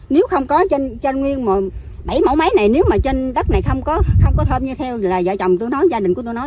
nếu không có trên nguyên bảy mẫu máy này nếu trên đất này không có thơm như theo là gia đình tôi nói